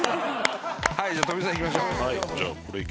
じゃあ、富澤さん行きましょう。